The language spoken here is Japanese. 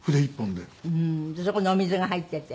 でそこにお水が入ってて。